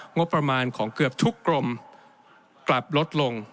งบประมาณของเกือบทุกกรมกลับลดลง